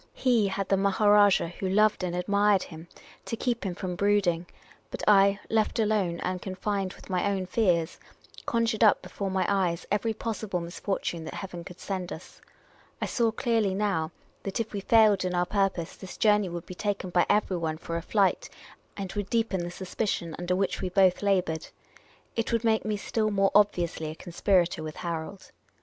He had the The Oriental Attendant 3<^3 Maharajah, who loved and admired him, to keep him from brooding ; but I, left alone, and confined with my own fears, conjured up before my eyes every possible misfortune that Heaven could send us. I saw clearly now that if we failed in our purpose this journey would be taken by everyone for a flight, and would deepen the suspicion under which we both laboured. It would make me still more obviously a conspirator with Harold.